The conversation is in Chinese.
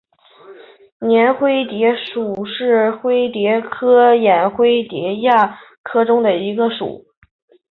拓灰蝶属是灰蝶科眼灰蝶亚科中的一个属。